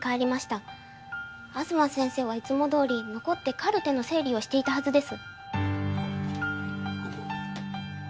東先生はいつもどおり残ってカルテの整理をしていたはずです。